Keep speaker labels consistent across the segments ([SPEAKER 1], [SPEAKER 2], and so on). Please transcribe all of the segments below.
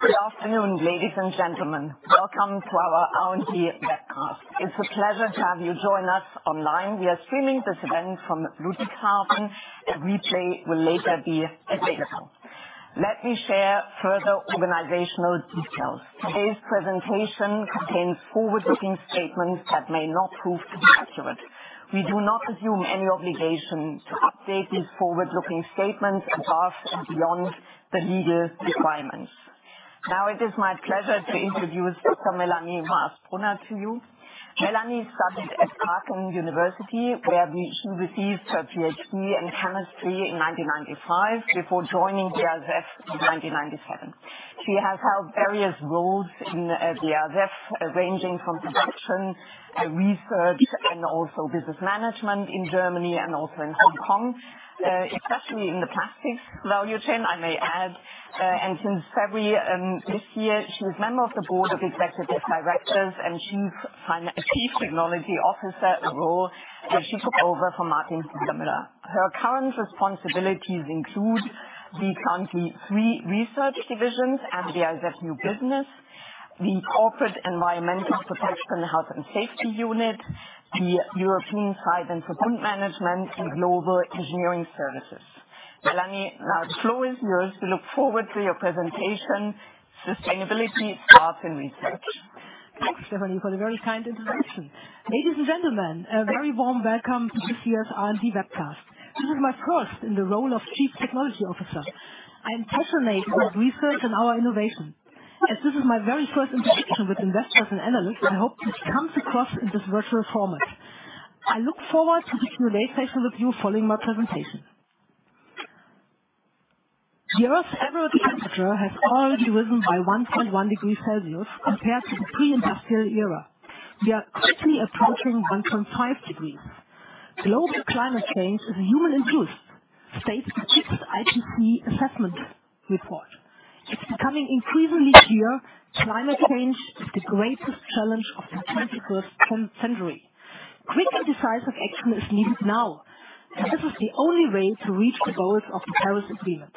[SPEAKER 1] Good afternoon, ladies and gentlemen. Welcome to our R&D webcast. It's a pleasure to have you join us online. We are streaming this event from Ludwigshafen. A replay will later be available. Let me share further organizational details. Today's presentation contains forward-looking statements that may not prove to be accurate. We do not assume any obligation to update these forward-looking statements above and beyond the legal requirements. Now it is my pleasure to introduce Dr. Melanie Maas-Brunner to you. Melanie started at Aachen University, where she received her PhD in chemistry in 1995 before joining BASF in 1997. She has held various roles in BASF, ranging from production and research and also business management in Germany and also in Hong Kong, especially in the plastics value chain, I may add. Since February, this year, she's member of the Board of Executive Directors, and she's Chief Technology Officer role that she took over from Martin Brudermüller. Her current responsibilities include the 23 research divisions and the BASF New Business, the corporate environmental protection, health and safety unit, the European science and patent management, and global engineering services. Melanie, now the floor is yours. We look forward to your presentation, Sustainability Starts in Research.
[SPEAKER 2] Thanks, Stephanie, for the very kind introduction. Ladies and gentlemen, a very warm welcome to this year's R&D webcast. This is my first in the role of Chief Technology Officer. I am passionate about research and our innovation. As this is my very first interaction with investors and analysts, I hope this comes across in this virtual format. I look forward to the Q&A session with you following my presentation. The Earth's average temperature has already risen by 1.1 degrees Celsius compared to the pre-industrial era. We are quickly approaching 1.5 degrees. Global climate change is human-induced, states the sixth IPCC Assessment Report. It's becoming increasingly clear climate change is the greatest challenge of the twenty-first century. Quick and decisive action is needed now, as this is the only way to reach the goals of the Paris Agreement.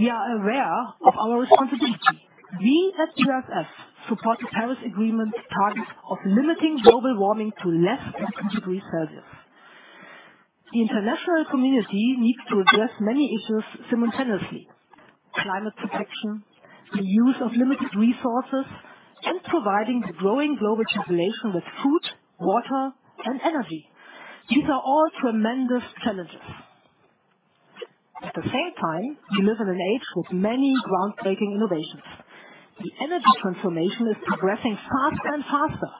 [SPEAKER 2] We are aware of our responsibility. We at BASF support the Paris Agreement's target of limiting global warming to less than two degrees Celsius. The international community needs to address many issues simultaneously, climate protection, the use of limited resources, and providing the growing global population with food, water, and energy. These are all tremendous challenges. At the same time, we live in an age with many groundbreaking innovations. The energy transformation is progressing faster and faster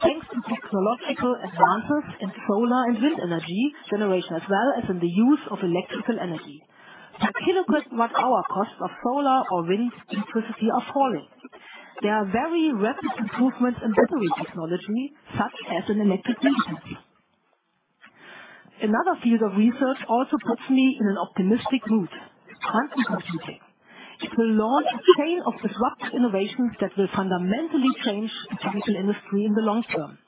[SPEAKER 2] thanks to technological advances in solar and wind energy generation, as well as in the use of electrical energy. The kilowatt-hour cost of solar or wind electricity are falling. There are very rapid improvements in battery technology, such as in electric vehicles. Another field of research also puts me in an optimistic mood, quantum computing. It will launch a chain of disruptive innovations that will fundamentally change the chemical industry in the long term.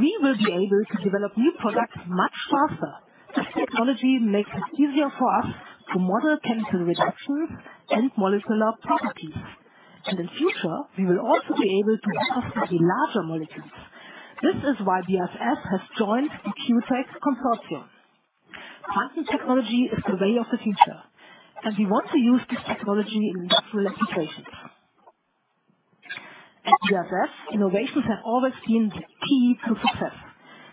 [SPEAKER 2] We will be able to develop new products much faster. This technology makes it easier for us to model chemical reactions and molecular properties. In future, we will also be able to access the larger molecules. This is why BASF has joined the QUTAC Consortium. Quantum technology is the way of the future, and we want to use this technology in industrial applications. At BASF, innovations have always been the key to success.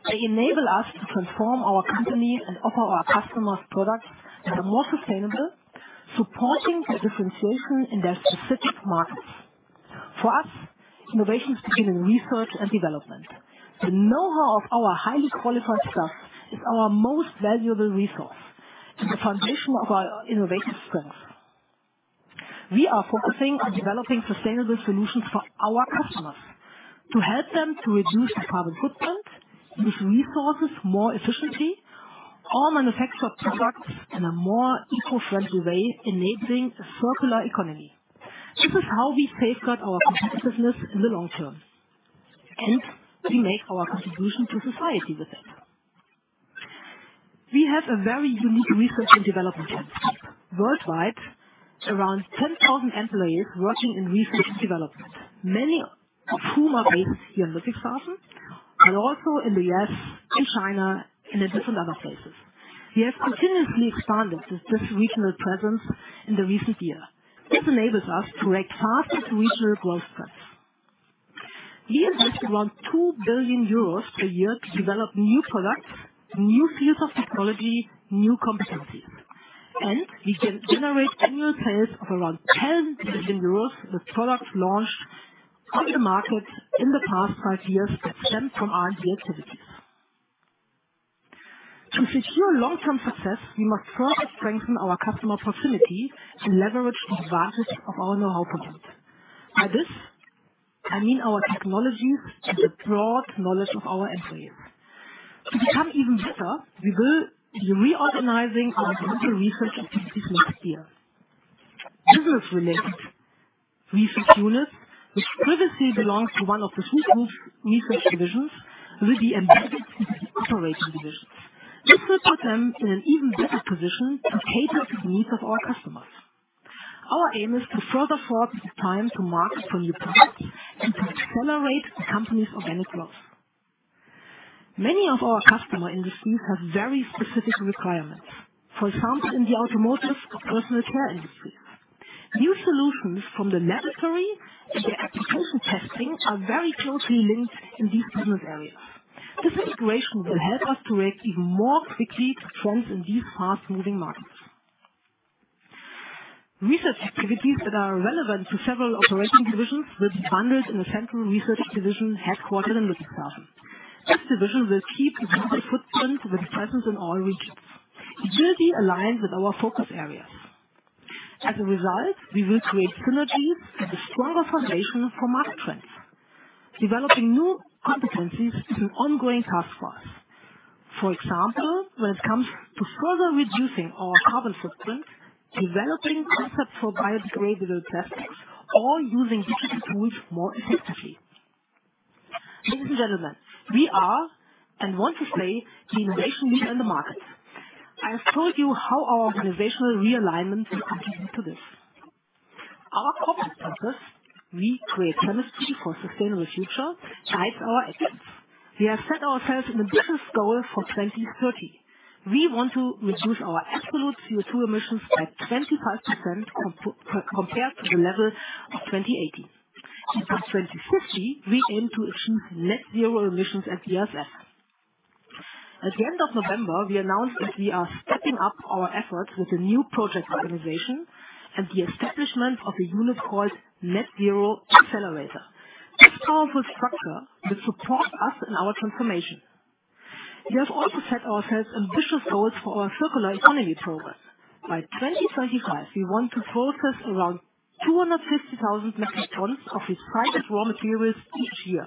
[SPEAKER 2] They enable us to transform our company and offer our customers products that are more sustainable, supporting their differentiation in their specific markets. For us, innovation is between research and development. The know-how of our highly qualified staff is our most valuable resource and the foundation of our innovation strength. We are focusing on developing sustainable solutions for our customers to help them to reduce their carbon footprint, use resources more efficiently, or manufacture products in a more eco-friendly way, enabling a circular economy. This is how we safeguard our competitiveness in the long term, and we make our contribution to society with it. We have a very unique research and development team. Worldwide, around 10,000 employees working in research and development. Many of whom are based here in Ludwigshafen, but also in the U.S., in China, and in different other places. We have continuously expanded this regional presence in the recent year. This enables us to react faster to regional growth trends. We invest around 2 billion euros per year to develop new products, new fields of technology, new competencies. We can generate annual sales of around 10 billion euros with products launched on the market in the past 5 years that stemmed from R&D activities. To secure long-term success, we must further strengthen our customer proximity to leverage the values of our know-how potential. By this, I mean our technologies and the broad knowledge of our employees. To become even better, we will be reorganizing our central research activities next year. Research units, which previously belonged to one of the three Group Research divisions, will be embedded in the operating divisions. This will put them in an even better position to cater to the needs of our customers. Our aim is to further shorten the time to market for new products and to accelerate the company's organic growth. Many of our customer industries have very specific requirements. For example, in the automotive personal care industry, new solutions from the laboratory and their application testing are very closely linked in these business areas. This integration will help us to react even more quickly to trends in these fast-moving markets. Research activities that are relevant to several operating divisions will be funded in the central research division headquartered in Ludwigshafen. This division will keep a global footprint with a presence in all regions. It will be aligned with our focus areas. As a result, we will create synergies and a stronger foundation for market trends. Developing new competencies is an ongoing task for us. For example, when it comes to further reducing our carbon footprint, developing concepts for biodegradable plastics, or using digital tools more effectively. Ladies and gentlemen, we are and want to stay the innovation leader in the market. I have told you how our organizational realignment will contribute to this. Our corporate purpose, we create chemistry for a sustainable future, guides our actions. We have set ourselves an ambitious goal for 2030. We want to reduce our absolute CO2 emissions by 25% compared to the level of 2018. By 2050, we aim to achieve net zero emissions at BASF. At the end of November, we announced that we are stepping up our efforts with a new project organization and the establishment of a unit called Net Zero Accelerator. This powerful structure will support us in our transformation. We have also set ourselves ambitious goals for our circular economy program. By 2035, we want to process around 250,000 metric tons of recycled raw materials each year.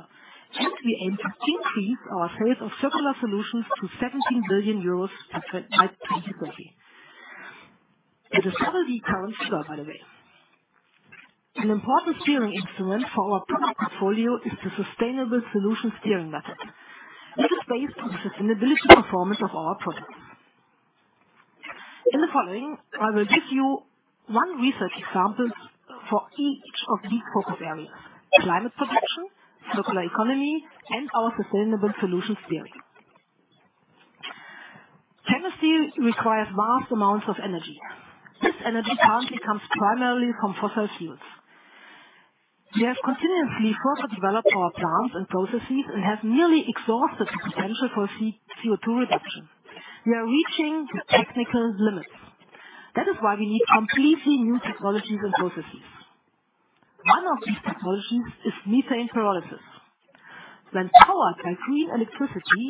[SPEAKER 2] We aim to increase our sales of circular solutions to 17 billion euros by 2030. It is double the current share, by the way. An important steering instrument for our product portfolio is the Sustainable Solution Steering method. This is based on the sustainability performance of our products. In the following, I will give you one research example for each of these focus areas, climate protection, circular economy, and our Sustainable Solution Steering. Chemistry requires vast amounts of energy. This energy currently comes primarily from fossil fuels. We have continuously further developed our plants and processes and have nearly exhausted the potential for CO2 reduction. We are reaching the technical limits. That is why we need completely new technologies and processes. One of these technologies is methane pyrolysis. When powered by green electricity,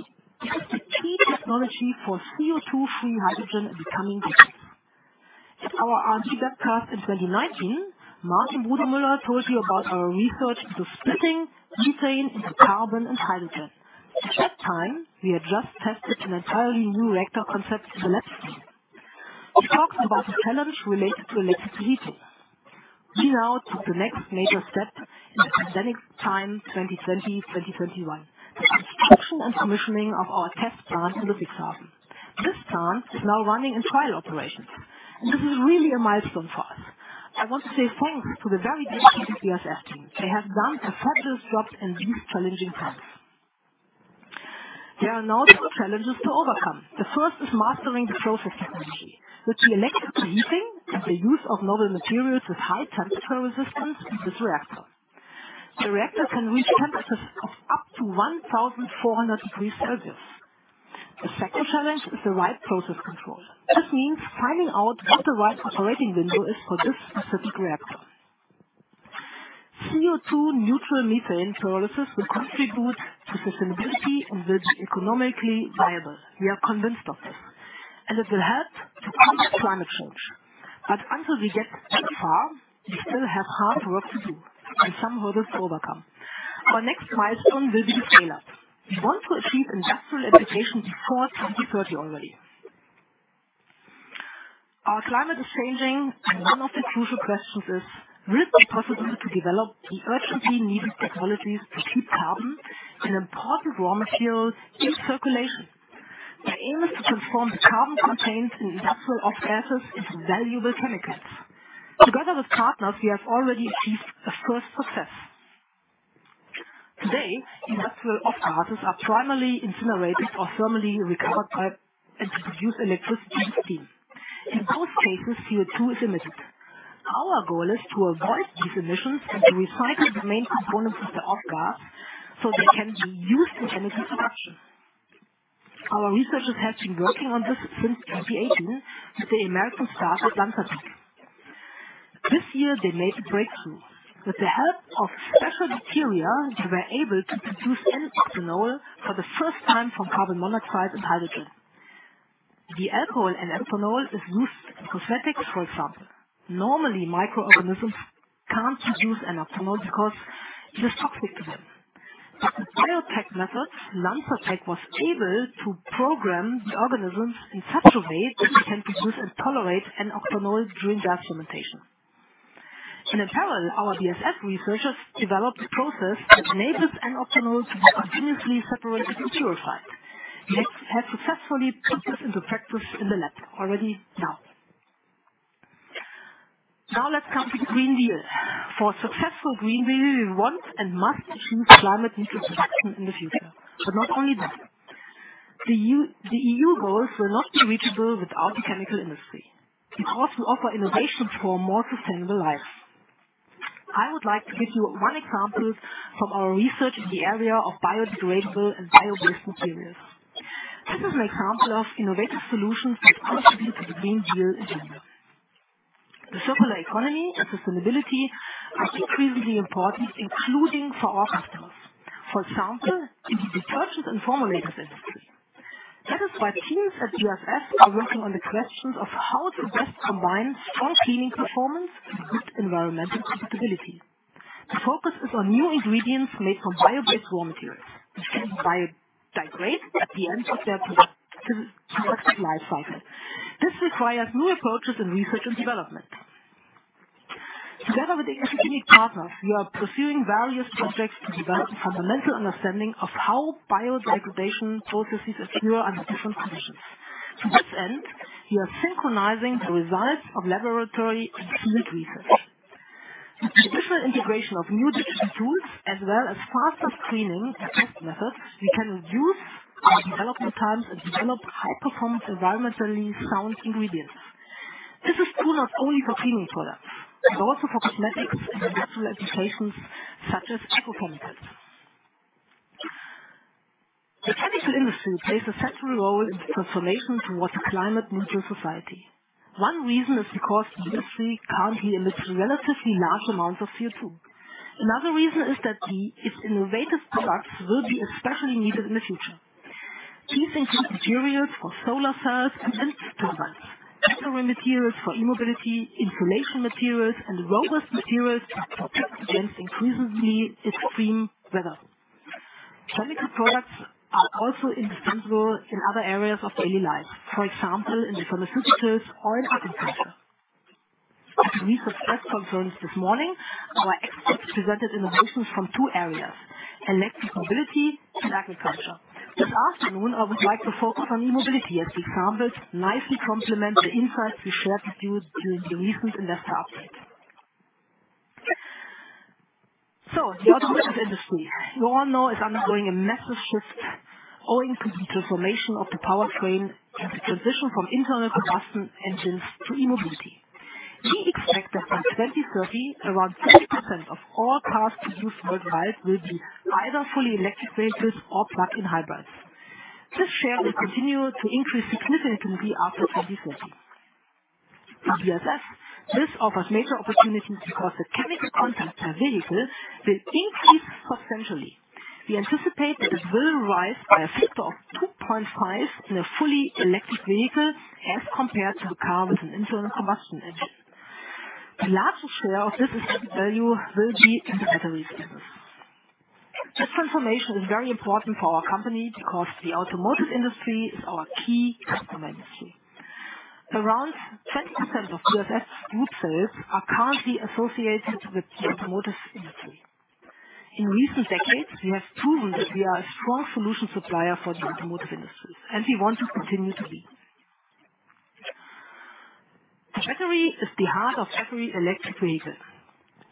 [SPEAKER 2] it is the key technology for CO2-free hydrogen in the coming decades. In our R&D webcast in 2019, Martin Brudermüller told you about our research into splitting methane into carbon and hydrogen. At that time, we had just tested an entirely new reactor concept in the laboratory. He talked about the challenges related to electric heating. We now took the next major step in the pandemic time, 2020, 2021, the construction and commissioning of our test plant in Ludwigshafen. This plant is now running in trial operations. This is really a milestone for us. I want to say thanks to the very dedicated BASF team. They have done a fabulous job in these challenging times. There are now two challenges to overcome. The first is mastering the process technology with the electric heating and the use of novel materials with high temperature resistance in this reactor. The reactor can reach temperatures of up to 1,400 degrees Celsius. The second challenge is the right process control. This means finding out what the right operating window is for this specific reactor. CO2 neutral methane pyrolysis will contribute to sustainability and will be economically viable. We are convinced of this, and it will help to combat climate change. Until we get that far, we still have hard work to do and some hurdles to overcome. Our next milestone will be the scale-up. We want to achieve industrial application before 2030 already. Our climate is changing, and one of the crucial questions is, will it be possible to develop the urgently needed technologies to keep carbon, an important raw material, in circulation? The aim is to transform the carbon contained in industrial off gases into valuable chemicals. Together with partners, we have already achieved a first success. Today, industrial off-gases are primarily incinerated or thermally recovered to produce electricity and steam. In both cases, CO2 is emitted. Our goal is to avoid these emissions and to recycle the main components of the off-gas so they can be used in energy production. Our researchers have been working on this since 2018 with the American startup, LanzaTech. This year, they made a breakthrough. With the help of special bacteria, they were able to produce n-butanol for the first time from carbon monoxide and hydrogen. The alcohol n-butanol is used in cosmetics, for example. Normally, microorganisms can't produce n-butanol because it is toxic to them. With the biotech methods, LanzaTech was able to program the organisms in such a way that they can produce and tolerate n-butanol during fermentation. In parallel, our BASF researchers developed a process that enables N-octanol to be continuously separated and purified. They have successfully put this into practice in the lab already now. Now let's come to the Green Deal. For a successful Green Deal, we want and must achieve climate neutrality in the future. Not only that. The EU goals will not be reachable without the chemical industry, because we offer innovations for a more sustainable life. I would like to give you one example from our research in the area of biodegradable and bio-based materials. This is an example of innovative solutions that contribute to the Green Deal agenda. The circular economy and sustainability are increasingly important, including for our customers. For example, in the detergents and formulators industry. That is why teams at BASF are working on the questions of how to best combine strong cleaning performance with good environmental compatibility. The focus is on new ingredients made from bio-based raw materials, which can biodegrade at the end of their productive life cycle. This requires new approaches in research and development. Together with academic partners, we are pursuing various projects to develop a fundamental understanding of how biodegradation processes occur under different conditions. To this end, we are synchronizing the results of laboratory and field research. With the additional integration of new digital tools as well as faster screening and test methods, we can reduce our development times and develop high performance, environmentally sound ingredients. This is true not only for cleaning products, but also for cosmetics and industrial applications such as agrochemicals. The chemical industry plays a central role in the transformation towards a climate neutral society. One reason is because the industry currently emits relatively large amounts of CO2. Another reason is that its innovative products will be especially needed in the future. These include materials for solar cells and wind turbines, battery materials for e-mobility, insulation materials, and robust materials to protect against increasingly extreme weather. Chemical products are also indispensable in other areas of daily life. For example, in the pharmaceuticals or in agriculture. At the research press conference this morning, our experts presented innovations from two areas, electric mobility and agriculture. This afternoon, I would like to focus on e-mobility as the examples nicely complement the insights we shared with you during the recent investor update. The automotive industry, you all know, is undergoing a massive shift owing to the transformation of the powertrain and the transition from internal combustion engines to e-mobility. We expect that by 2030, around 30% of all cars produced worldwide will be either fully electric vehicles or plug-in hybrids. This share will continue to increase significantly after 2030. For BASF, this offers major opportunities because the chemical content per vehicle will increase substantially. We anticipate that it will rise by a factor of 2.5 in a fully electric vehicle as compared to a car with an internal combustion engine. The largest share of this added value will be in the battery business. This transformation is very important for our company because the automotive industry is our key customer industry. Around 10% of BASF's group sales are currently associated with the automotive industry. In recent decades, we have proven that we are a strong solution supplier for the automotive industry, and we want to continue to be. The battery is the heart of every electric vehicle.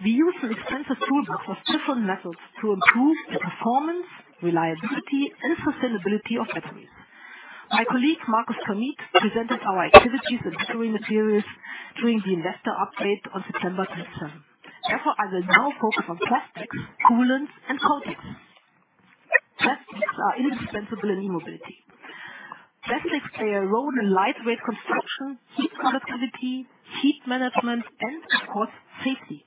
[SPEAKER 2] We use an extensive toolbox of different methods to improve the performance, reliability, and sustainability of batteries. My colleague, Markus Kamieth, presented our activities in battery materials during the investor update on September 27. Therefore, I will now focus on plastics, coolants, and coatings. Plastics are indispensable in e-mobility. Plastics play a role in lightweight construction, heat conductivity, heat management, and of course, safety.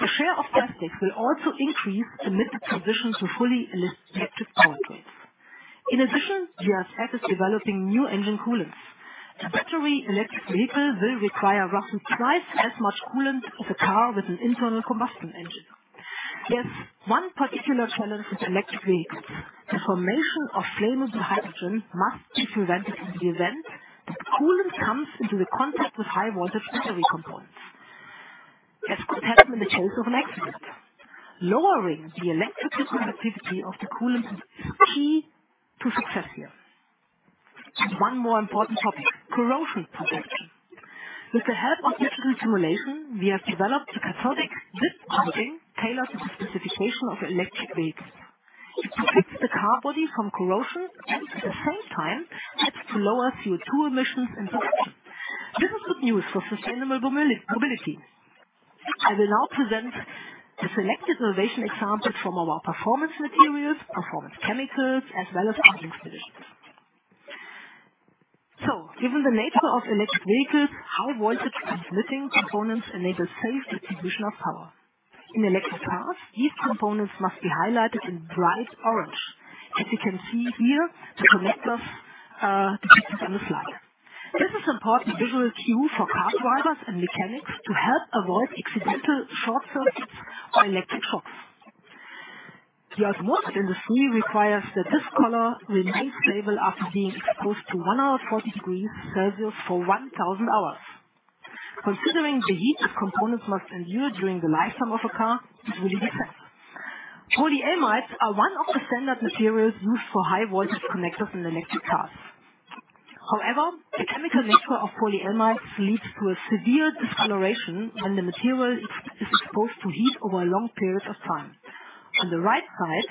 [SPEAKER 2] The share of plastics will also increase amid the transition to fully electric powertrains. In addition, BASF is developing new engine coolants. The battery electric vehicle will require roughly twice as much coolant as a car with an internal combustion engine. Yes, one particular challenge with electric vehicles is the formation of flammable hydrogen must be prevented in the event that coolant comes into contact with high voltage battery components, as could happen in the case of an accident. Lowering the electrical conductivity of the coolant is key to success here. One more important topic, corrosion protection. With the help of digital simulation, we have developed a cathodic dip coating tailored to the specification of electric vehicles. It protects the car body from corrosion and at the same time helps to lower CO2 emissions in production. This is good news for sustainable mobility. I will now present the selected innovation examples from our Performance Materials, Performance Chemicals, as well as other installations. Given the nature of electric vehicles, high voltage transmitting components enable safe distribution of power. In electric cars, these components must be highlighted in bright orange. As you can see here, the connectors depicted on the slide. This is important visual cue for car drivers and mechanics to help avoid accidental short circuits or electric shocks. The automotive industry requires that this color remains stable after being exposed to 140 degrees Celsius for 1,000 hours. Considering the heat that components must endure during the lifetime of a car, this is really the best. Polyamides are one of the standard materials used for high-voltage connectors in electric cars. However, the chemical nature of polyamides leads to a severe discoloration when the material is exposed to heat over long periods of time. On the right side,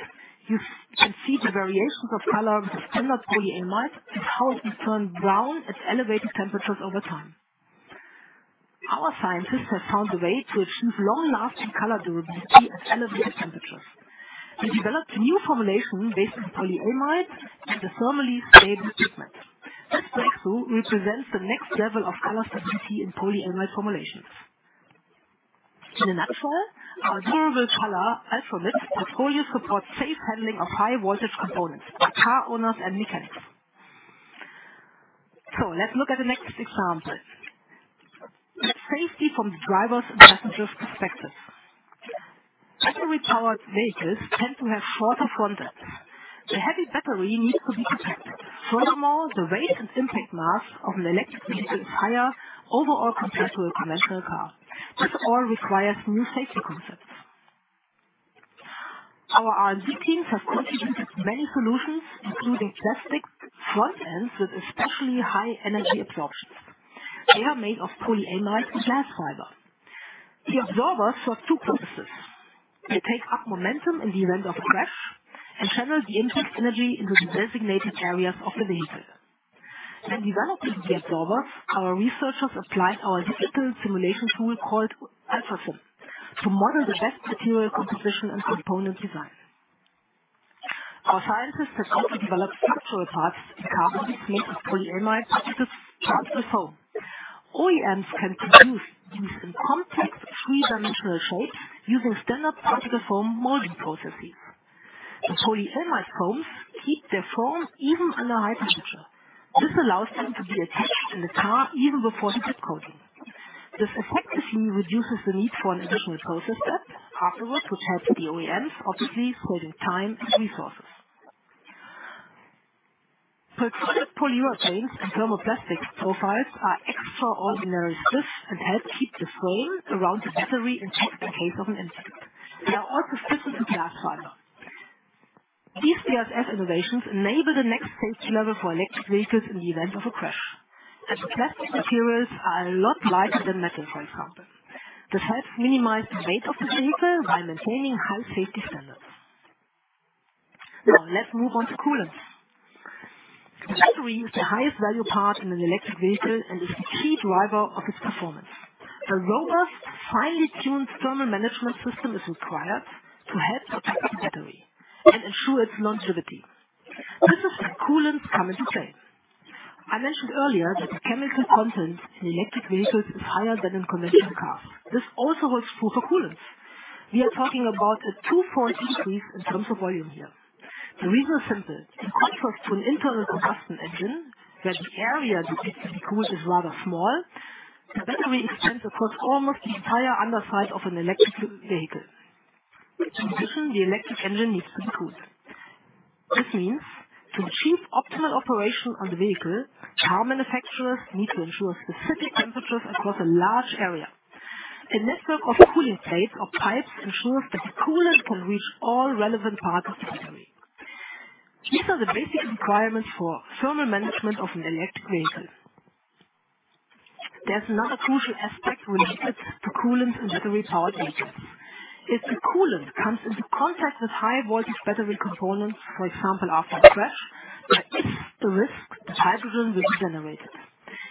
[SPEAKER 2] you can see the variations of color of the standard polyamide and how it can turn brown at elevated temperatures over time. Our scientists have found a way to achieve long-lasting color durability at elevated temperatures. We developed a new formulation based on polyamide and a thermally stable pigment. This breakthrough represents the next level of color stability in polyamide formulations. In a nutshell, our durable color Ultramid portfolio supports safe handling of high-voltage components by car owners and mechanics. Let's look at the next example. Safety from the driver's and passenger's perspectives. Battery-powered vehicles tend to have shorter front ends. The heavy battery needs to be protected. Furthermore, the weight and impact mass of an electric vehicle is higher overall compared to a conventional car. This all requires new safety concepts. Our R&D teams have contributed many solutions, including plastic front ends with especially high energy absorption. They are made of polyamide and glass fiber. The absorbers serve two purposes. They take up momentum in the event of a crash and channel the impact energy into the designated areas of the vehicle. When developing the absorber, our researchers applied our digital simulation tool called Ultrasim to model the best material composition and component design. Our scientists have also developed structural parts in carbon mixed with polyamide particle foam. OEMs can produce these in complex three-dimensional shapes using standard particle foam molding processes. The polyamide foams keep their form even under high temperature. This allows them to be attached in the car even before the dip coating. This effectively reduces the need for an additional process step afterwards, which helps the OEMs, obviously, saving time and resources. Flexible polyurethanes and thermoplastic profiles are extraordinarily stiff and help keep the foam around the battery intact in case of an impact. They are also stiffened with glass fiber. These BASF innovations enable the next safety level for electric vehicles in the event of a crash. The plastic materials are a lot lighter than metal, for example. This helps minimize the weight of the vehicle while maintaining high safety standards. Now let's move on to coolants. Battery is the highest value part in an electric vehicle and is the key driver of its performance. A robust, finely tuned thermal management system is required to help protect the battery and ensure its longevity. This is where coolants come into play. I mentioned earlier that the chemical content in electric vehicles is higher than in conventional cars. This also holds true for coolants. We are talking about a two-fold increase in terms of volume here. The reason is simple. In contrast to an internal combustion engine, where the area that needs to be cooled is rather small, the battery extends across almost the entire underside of an electric vehicle. In addition, the electric engine needs to be cooled. This means to achieve optimal operation of the vehicle, car manufacturers need to ensure specific temperatures across a large area. A network of cooling plates or pipes ensures that the coolant can reach all relevant parts of the battery. These are the basic requirements for thermal management of an electric vehicle. There's another crucial aspect related to coolant in battery-powered vehicles. If the coolant comes into contact with high-voltage battery components, for example, after a crash, there is the risk that hydrogen will be generated.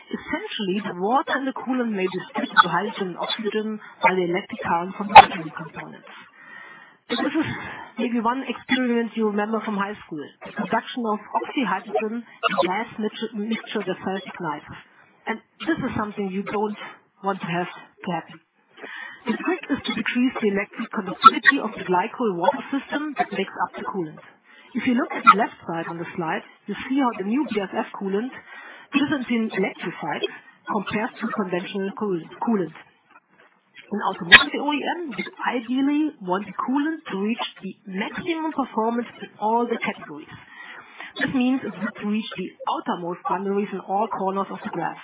[SPEAKER 2] Essentially, the water in the coolant may decompose into hydrogen and oxygen while the electric current from battery components. This is maybe one experience you remember from high school. The production of oxyhydrogen gas, mixture of hydrogen and oxygen. This is something you don't want to have happen. The trick is to decrease the electric conductivity of the glycol-water system that makes up the coolant. If you look at the left side on the slide, you see how the new BASF coolant, GLYSANTIN ELECTRIFIED, compares to conventional coolants. An automotive OEM would ideally want the coolant to reach the maximum performance in all the categories. This means it needs to reach the outermost boundaries in all corners of the graph.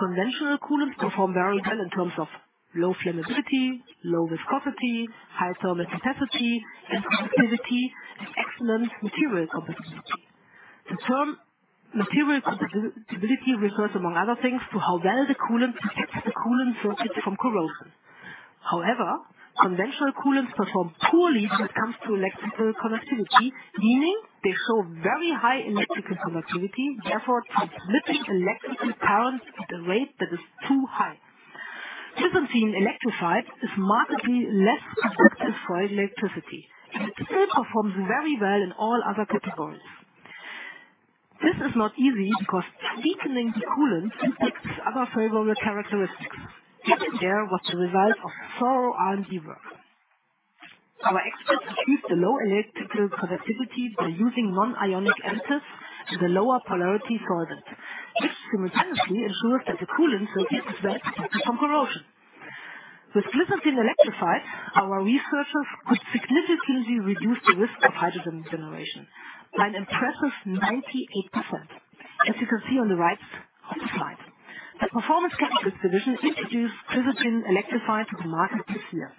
[SPEAKER 2] Conventional coolants perform very well in terms of low flammability, low viscosity, high thermal capacity and conductivity, and excellent material compatibility. The term material compatibility refers, among other things, to how well the coolant protects the coolant circuits from corrosion. However, conventional coolants perform poorly when it comes to electrical conductivity, meaning they show very high electrical conductivity, therefore transmitting electrical current at a rate that is too high. GLYSANTIN ELECTRIFIED is markedly less conductive for electricity, and it still performs very well in all other categories. This is not easy because weakening the coolant impacts other favorable characteristics. Each layer was the result of thorough R&D work. Our experts achieved a low electrical conductivity by using non-ionic surfactants and a lower polarity solvent, which simultaneously ensures that the coolant circuit is well protected from corrosion. With GLYSANTIN ELECTRIFIED, our researchers could significantly reduce the risk of hydrogen generation by an impressive 98%, as you can see on the right of the slide. The Performance Chemicals division introduced GLYSANTIN ELECTRIFIED to the market this year.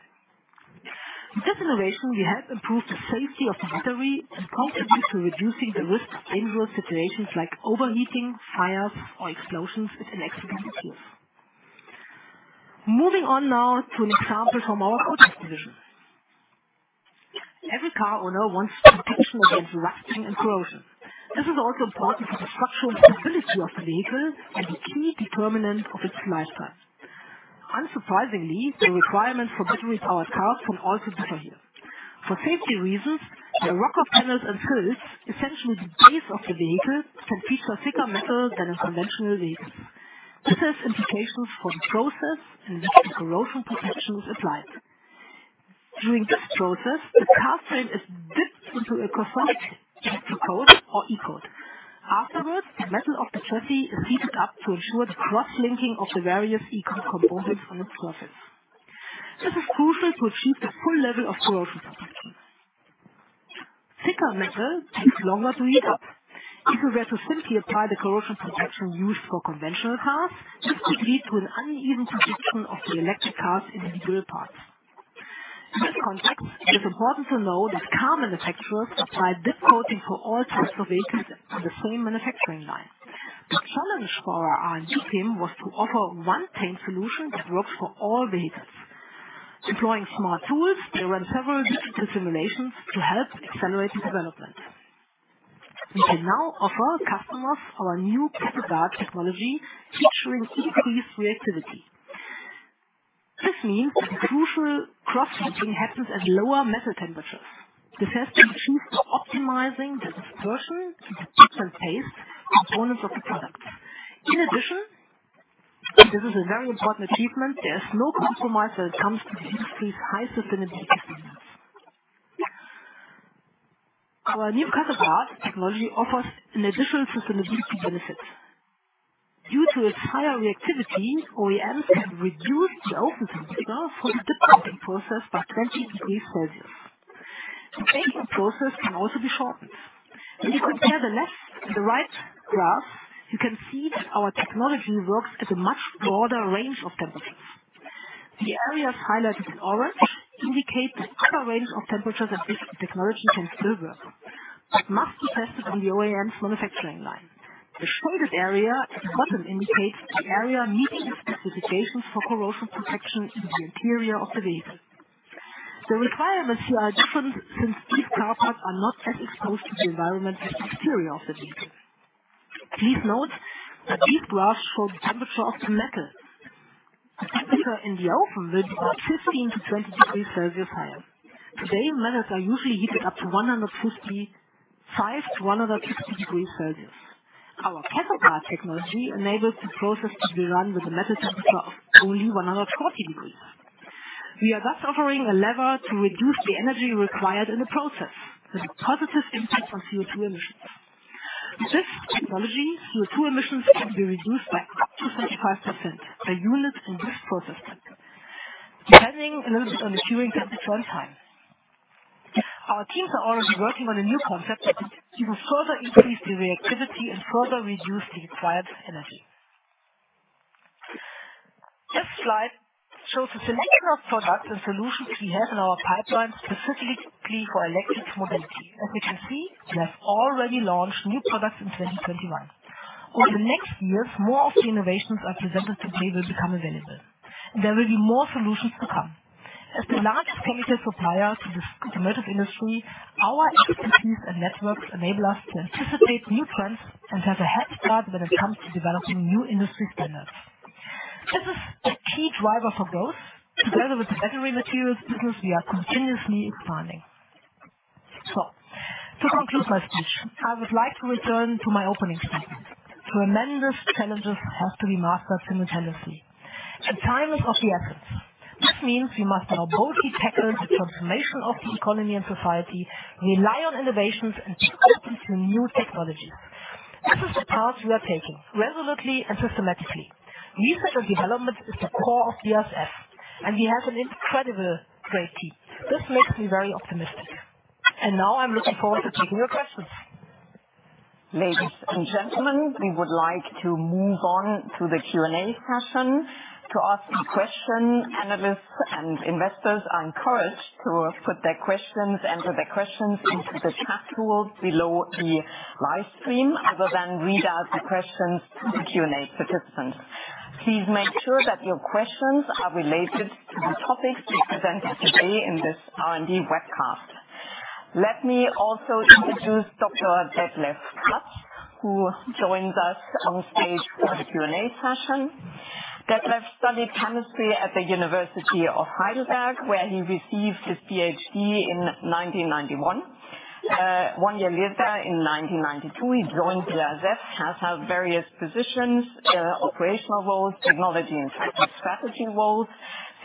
[SPEAKER 2] With this innovation, we help improve the safety of the battery and contribute to reducing the risk of dangerous situations like overheating, fires or explosions in electric vehicles. Moving on now to an example from our Coatings division. Every car owner wants protection against rusting and corrosion. This is also important for the structural stability of the vehicle and a key determinant of its lifespan. Unsurprisingly, the requirements for battery-powered cars from OEMs also differ here. For safety reasons, the rocker panels and sills, essentially the base of the vehicle, can feature thicker metal than a conventional vehicle. This has implications for the process in which the corrosion protection is applied. During this process, the car frame is dipped into a composite electrocoat or E-coat. Afterwards, the metal of the chassis is heated up to ensure the cross-linking of the various E-coat components on its surface. This is crucial to achieve the full level of corrosion protection. Thicker metal takes longer to heat up. If you were to simply apply the corrosion protection used for conventional cars, this could lead to an uneven protection of the electric car's individual parts. In this context, it is important to know that car manufacturers apply dip coating for all types of vehicles on the same manufacturing line. The challenge for our R&D team was to offer one paint solution that works for all vehicles. Deploying smart tools, they ran several digital simulations to help accelerate the development. We can now offer our customers our new CathoGuard technology featuring increased reactivity. This means that the crucial cross-linking happens at lower metal temperatures. This has been achieved by optimizing the dispersion, pigment paste, components of the product. In addition, this is a very important achievement. There is no compromise when it comes to BASF's high sustainability standards. Our new CathoGuard technology offers an additional sustainability benefit. Due to its higher reactivity, OEMs can reduce the oven temperature for the dip coating process by 20 degrees Celsius. The painting process can also be shortened. If you compare the left and the right graph, you can see that our technology works at a much broader range of temperatures. The areas highlighted in orange indicate other range of temperatures at which the technology can still work, but must be tested on the OEM's manufacturing line. The shaded area at the bottom indicates the area meeting the specifications for corrosion protection in the interior of the vehicle. The requirements here are different, since these car parts are not as exposed to the environment as the exterior of the vehicle. Please note that these graphs show the temperature of the metal. The temperature in the oven will be about 15-20 degrees Celsius higher. Today, metals are usually heated up to 155-160 degrees Celsius. Our CathoGuard technology enables the process to be run with a metal temperature of only 140 degrees. We are thus offering a lever to reduce the energy required in the process with a positive impact on CO₂ emissions. With this technology, CO₂ emissions can be reduced by up to 25% per unit in this process step, depending a little bit on the curing temperature and time. Our teams are already working on a new concept that will further increase the reactivity and further reduce the required energy. This slide shows a selection of products and solutions we have in our pipeline specifically for electric mobility. As you can see, we have already launched new products in 2021. Over the next years, more of the innovations I presented today will become available. There will be more solutions to come. As the largest chemical supplier to this automotive industry, our expertise and networks enable us to anticipate new trends and have a head start when it comes to developing new industry standards. This is a key driver for growth. Together with the battery materials business, we are continuously expanding. To conclude my speech, I would like to return to my opening statement. Tremendous challenges have to be mastered simultaneously, and time is of the essence. This means we must now boldly tackle the transformation of the economy and society, rely on innovations, and stay open to new technologies. This is the path we are taking resolutely and systematically. Research and development is the core of BASF, and we have an incredible, great team. This makes me very optimistic. Now I'm looking forward to taking your questions.
[SPEAKER 1] Ladies and gentlemen, we would like to move on to the Q&A session. To ask a question, analysts and investors are encouraged to enter their questions into the chat tools below the live stream. We will read out the questions to the Q&A participants. Please make sure that your questions are related to the topics we presented today in this R&D webcast. Let me also introduce Dr. Detlef Kratz, who joins us on stage for the Q&A session. Detlef studied chemistry at the University of Heidelberg, where he received his PhD in 1991. One year later, in 1992, he joined BASF, has had various positions, operational roles, technology and strategy roles.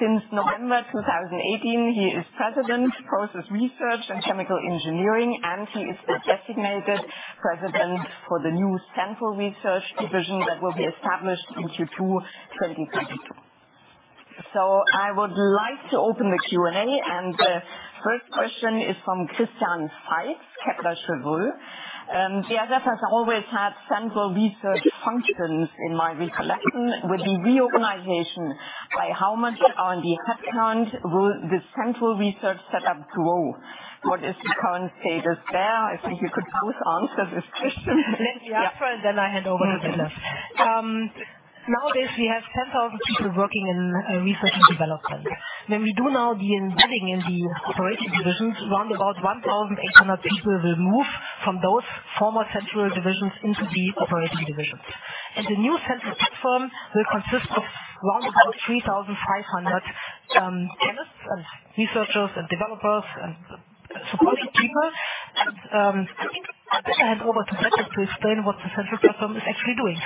[SPEAKER 1] Since November 2018, he is President Process Research and Chemical Engineering, and he is the designated president for the new central research division that will be established in Q2 2022. I would like to open the Q&A, and the first question is from Christian Faitz, Kepler Cheuvreux. BASF has always had central research functions in my recollection. With the reorganization, by how much on the headcount will the central research set up grow? What is the current status there? I think you could both answer this question.
[SPEAKER 2] Let me answer and then I hand over to Detlef. Nowadays we have 10,000 people working in research and development. When we do now the embedding in the operating divisions, around about 1,800 people will move from those former central divisions into the operating divisions. The new central platform will consist of around about 3,500 chemists and researchers and developers and supportive people. I better hand over to Detlef to explain what the central platform is actually doing.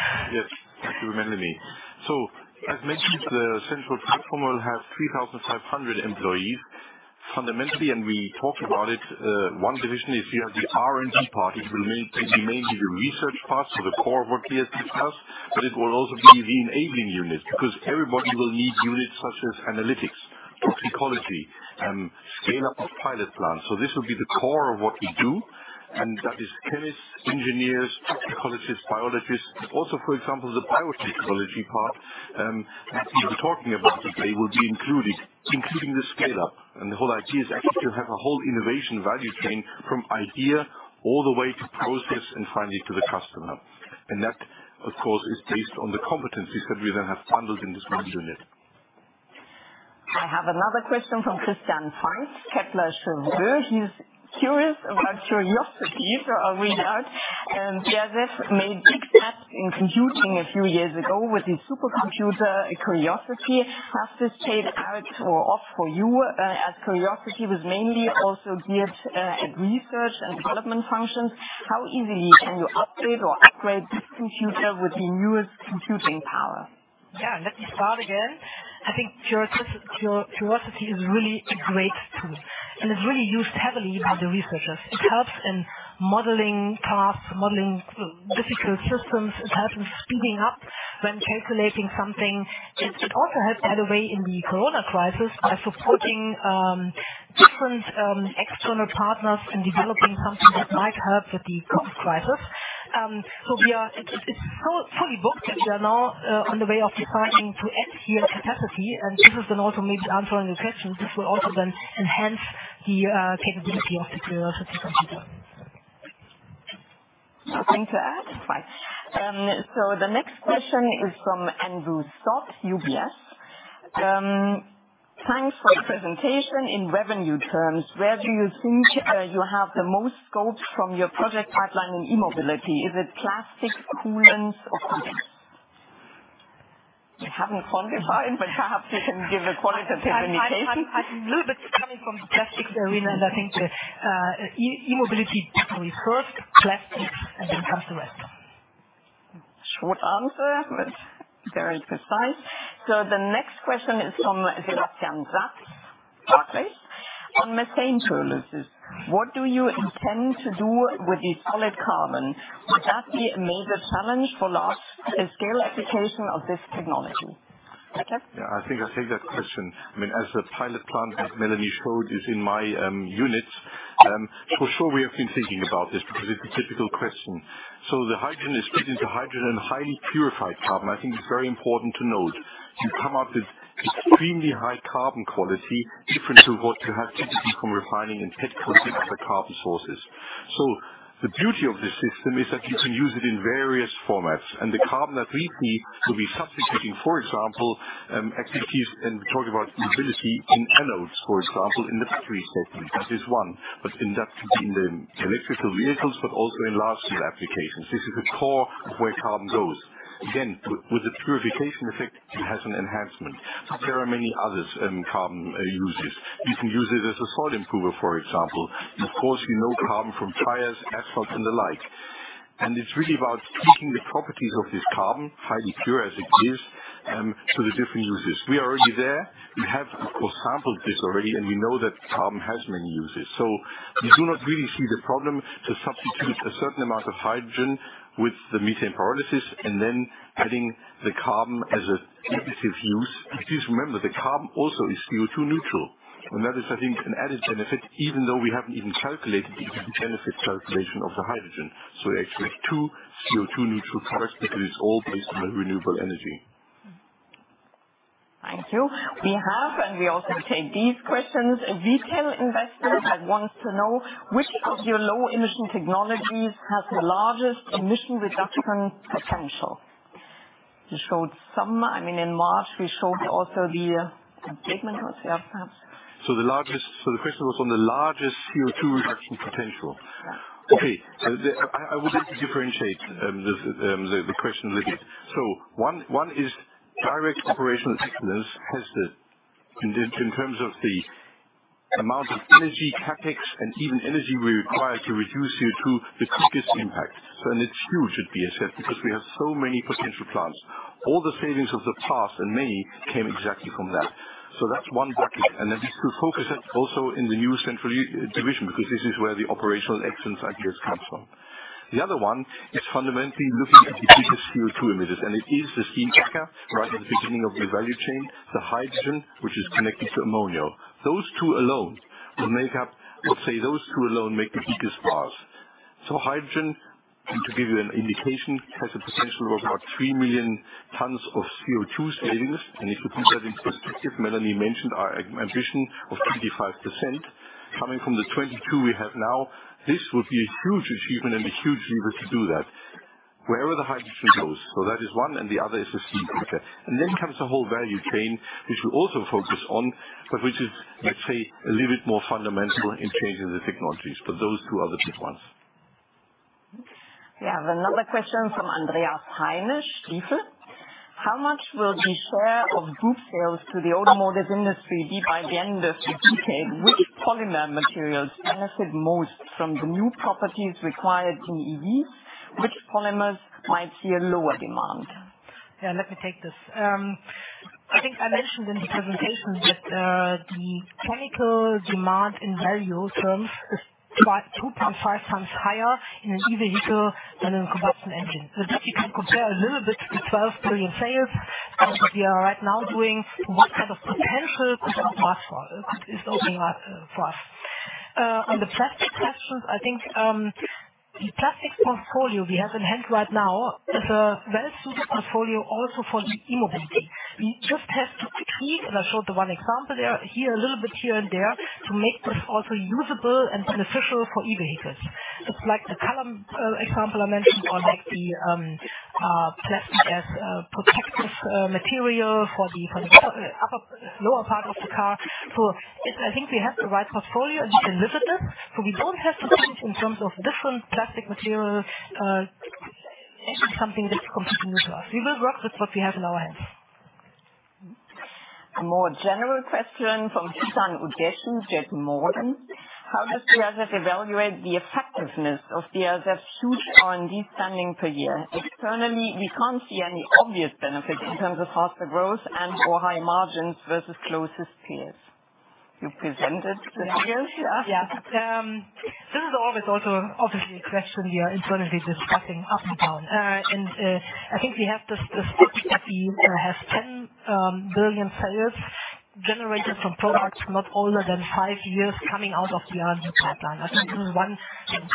[SPEAKER 3] Yes. Thank you, Melanie. As mentioned, the central platform will have 3,500 employees. Fundamentally, we talked about it, one division, if you have the R&D part, it will mainly be research part, so the core work PST does, but it will also be the enabling unit, because everybody will need units such as analytics, toxicology, scale-up of pilot plant. This will be the core of what we do, and that is chemists, engineers, toxicologists, biologists. Also, for example, the biotechnology part that we were talking about today will be included, including the scale up. The whole idea is actually to have a whole innovation value chain from idea all the way to process and finally to the customer. That, of course, is based on the competencies that we then have bundled in this one unit.
[SPEAKER 1] I have another question from Christian Faitz, Kepler Cheuvreux. He's curious about Quriosity, so I'll read out. BASF made big steps in computing a few years ago with the supercomputer, Quriosity. Has this paid out or off for you, as Quriosity was mainly also geared at research and development functions. How easily can you upgrade this computer with the newest computing power?
[SPEAKER 2] Yeah, let me start again. I think Quriosity is really a great tool, and it's really used heavily by the researchers. It helps in modeling paths, modeling difficult systems. It helps in speeding up when calculating something. It also helped, by the way, in the COVID crisis by supporting different external partners in developing something that might help with the COVID crisis. It's fully booked, and we are now on the way of deciding to add CPU capacity, and this is also maybe answering the question. This will also enhance the capability of the Quriosity computer.
[SPEAKER 1] Nothing to add? Fine. The next question is from Andrew Stott, UBS. Thanks for the presentation in revenue terms. Where do you think you have the most scope from your project pipeline in e-mobility? Is it plastics, coolants or something? We haven't quantified, but perhaps you can give a qualitative indication.
[SPEAKER 2] I'm a little bit coming from the plastics arena, and I think the e-mobility wheels first, plastics, and then comes the rest.
[SPEAKER 1] Short answer, but very precise. The next question is from Sebastian.
[SPEAKER 3] The question was on the largest CO2 reduction potential.
[SPEAKER 1] Yeah.
[SPEAKER 3] I would like to differentiate the question a little bit. One is direct operational excellence has the quickest impact in terms of the amount of energy, CapEx and OpEx we require to reduce CO2. It's huge at BASF because we have so many potential plants. All the savings of the past, and many, came exactly from that. That's one bucket. We still focus it also in the new central division, because this is where the operational excellence ideas comes from. The other one is fundamentally looking at the biggest CO2 emitters, and it is the steam cracker right at the beginning of the value chain, the hydrogen, which is connected to ammonia. Those two alone make the biggest bars. Hydrogen, and to give you an indication, has a potential of about 3 million tons of CO2 savings. If you put that into perspective, Melanie mentioned our ambition of 25% coming from the 22 we have now, this would be a huge achievement and a huge lever to do that. Wherever the hydrogen goes. That is one, and the other is the steam cracker. Then comes the whole value chain, which we also focus on, but which is, let's say, a little bit more fundamental in changing the technologies. Those two are the big ones.
[SPEAKER 1] We have another question from Andreas Heine, Stifel. How much will the share of good sales to the automotive industry be by the end of the decade? Which polymer materials benefit most from the new properties required in EVs? Which polymers might see a lower demand?
[SPEAKER 2] Yeah, let me take this. I think I mentioned in the presentation that the chemical demand in value terms is 2.5 times higher in an EV than in a combustion engine. This you can compare a little bit to 12 trillion sales that we are right now doing, what kind of potential could that be worth while it's opening up for us. On the plastic questions, I think the plastic portfolio we have in hand right now is a well-suited portfolio also for the e-mobility. We just have to tweak, and I showed one example there, here, a little bit here and there, to make this also usable and beneficial for EVs. It's like the color example I mentioned, or like the plastic as protective material for the lower part of the car. I think we have the right portfolio, a bit limited, so we don't have to change in terms of different plastic material into something that's completely new to us. We will work with what we have in our hands.
[SPEAKER 1] A more general question from Chris Counihan, Jefferies. How does BASF evaluate the effectiveness of BASF's huge R&D spending per year? Externally, we can't see any obvious benefits in terms of faster growth and/or higher margins versus closest peers. You presented the figures.
[SPEAKER 2] Yeah. This is always also obviously a question we are internally discussing up and down. I think we have this target that we have 10 billion sales generated from products not older than five years coming out of the R&D pipeline. I think this is one.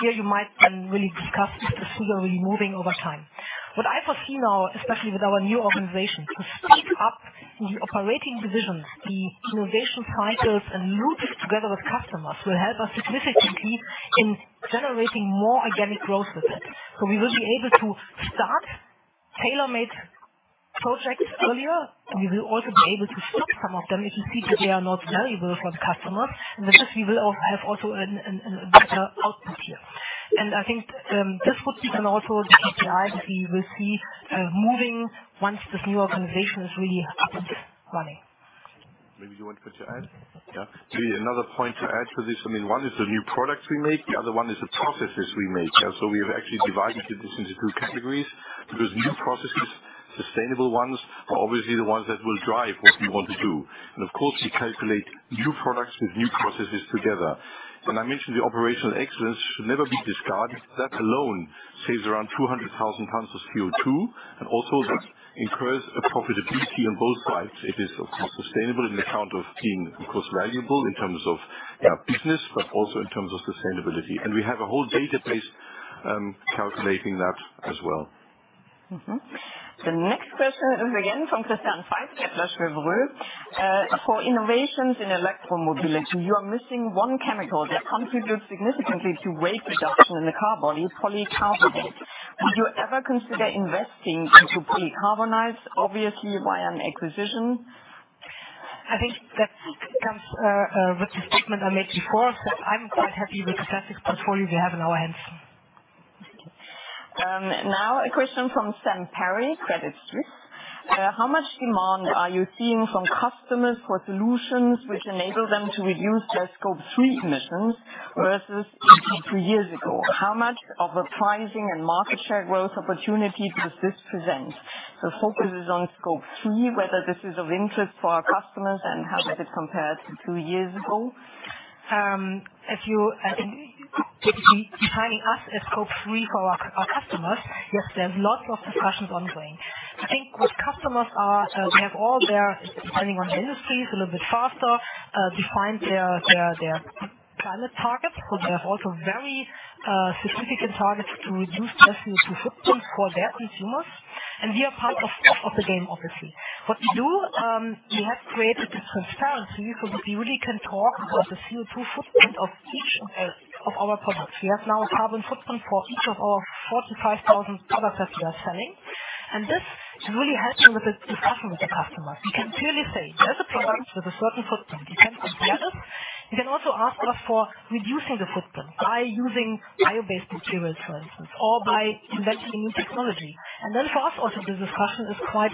[SPEAKER 2] Here you might then really discuss is this figure really moving over time. What I foresee now, especially with our new organization, to speed up the operating divisions, the innovation cycles, and loop it together with customers, will help us significantly in generating more organic growth with it. We will be able to start tailor-made projects earlier. We will also be able to stop some of them if we see that they are not valuable for the customers. With this, we will have also a better output here. I think this would be then also the KPI that we will see moving once this new organization is really up and running.
[SPEAKER 3] Maybe you want to put your add? Yeah. Another point to add to this, I mean, one is the new products we make, the other one is the processes we make. We have actually divided this into two categories because new processes, sustainable ones, are obviously the ones that will drive what we want to do. Of course, we calculate new products with new processes together. When I mentioned the operational excellence should never be discarded, that alone saves around 200,000 tons of CO2, and also that incurs a profitability on both sides. It is, of course, sustainable in account of being, of course, valuable in terms of, yeah, business, but also in terms of sustainability. We have a whole database calculating that as well.
[SPEAKER 1] The next question is again from Christian Faitz, Jefferies. For innovations in electromobility, you are missing one chemical that contributes significantly to weight reduction in the car body, polycarbonate. Would you ever consider investing into polycarbonates, obviously via an acquisition?
[SPEAKER 2] I think that comes with the statement I made before, that I'm quite happy with the plastic portfolio we have in our hands.
[SPEAKER 1] Now a question from Sam Perry, Credit Suisse. How much demand are you seeing from customers for solutions which enable them to reduce their Scope 3 emissions versus two years ago? How much of a pricing and market share growth opportunity does this present? Focus is on Scope 3, whether this is of interest for our customers and how does it compare to two years ago.
[SPEAKER 2] I think if you're defining us as Scope 3 for our customers, yes, there's lots of discussions ongoing. I think what customers are, they have all their, depending on the industries, a little bit faster defined their climate targets. They have also very significant targets to reduce their CO2 footprint for their consumers. We are part of the game, obviously. What we do, we have created the transparency because we really can talk about the CO2 footprint of each of our products. We have now a carbon footprint for each of our 45,000 products that we are selling. This is really helping with the discussion with the customers. We can clearly say, "You have the product with a certain footprint, depends on the others." You can also ask us for reducing the footprint by using bio-based materials, for instance, or by inventing a new technology. For us also this discussion is quite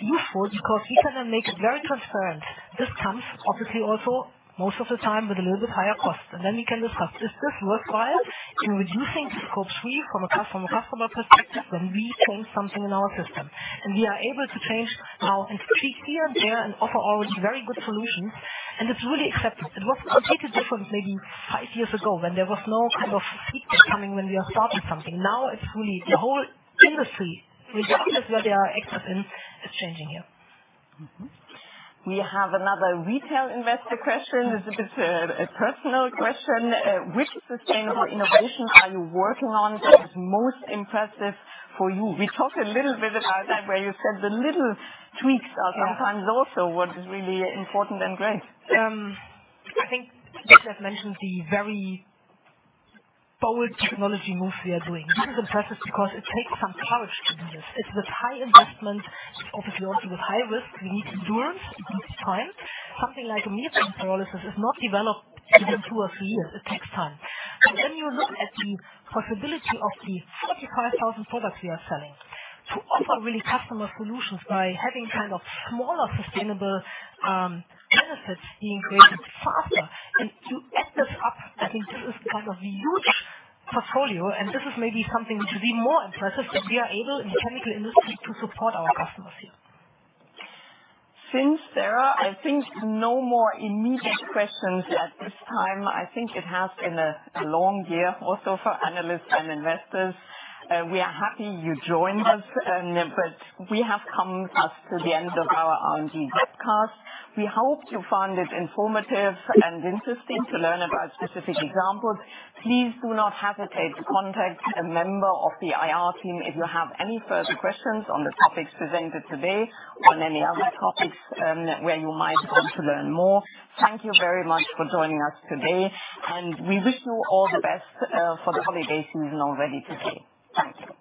[SPEAKER 2] useful because we can then make it very transparent. This comes obviously also most of the time with a little bit higher cost. We can discuss, is this worthwhile in reducing Scope 3 from a customer perspective when we change something in our system. We are able to change now and tweak here and there and offer already very good solutions. It's really accepted. It was completely different maybe five years ago when there was no kind of feedback coming when we are starting something. Now it's really the whole industry, regardless where they are experts in, is changing here.
[SPEAKER 1] We have another retail investor question. This is a bit, a personal question. Which sustainable innovation are you working on that is most impressive for you? We talked a little bit about that, where you said the little tweaks are sometimes also what is really important and great.
[SPEAKER 2] I think Matthias mentioned the very bold technology moves we are doing. This is impressive because it takes some courage to do this. It's with high investment, it's obviously also with high risk. We need endurance, we need time. Something like a methane pyrolysis is not developed within two or three years. It takes time. When you look at the possibility of the 45,000 products we are selling, to offer really customer solutions by having kind of smaller, sustainable, benefits being created faster and to add this up, I think, to this kind of huge portfolio and this is maybe something which is even more impressive, that we are able in the chemical industry to support our customers here.
[SPEAKER 1] Since there are, I think, no more immediate questions at this time, I think it has been a long year also for analysts and investors. We are happy you joined us, but we have come to the end of our R&D webcast. We hope you found it informative and interesting to learn about specific examples. Please do not hesitate to contact a member of the IR team if you have any further questions on the topics presented today or any other topics where you might want to learn more. Thank you very much for joining us today, and we wish you all the best for the holiday season already today. Thank you.